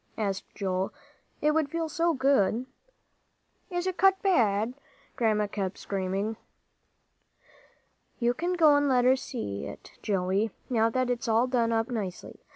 asked Joel; "it would feel so good." "Is it cut bad?" Grandma kept screaming. "You can go and let her see it, Joey, now that it's all done up nicely.